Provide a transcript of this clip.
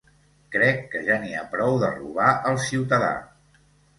Crec que ja n’hi ha prou de robar al ciutadà.